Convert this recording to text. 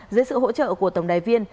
dưới sự hỗ trợ của tổng đài viên